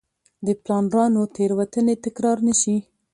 د پلانرانو تېروتنې تکرار نه شي.